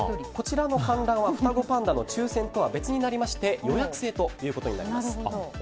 こちらの観覧は双子パンダの抽選とは別になりまして予約制となります。